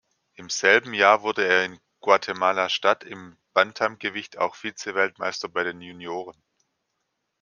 Im selben Jahr wurde er in Guatemala-Stadt im Bantamgewicht auch Vize-Weltmeister bei den Junioren.